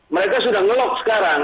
mereka sudah ngelock sekarang